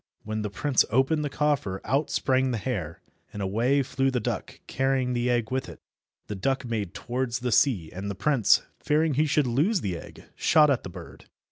When the prince opened the coffer out sprang the hare, and away flew the duck carrying the egg with it. The duck made towards the sea, and the prince, fearing he should lose the egg, shot at the bird.